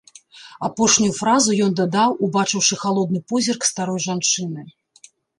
Апошнюю фразу ён дадаў, убачыўшы халодны позірк старой жанчыны.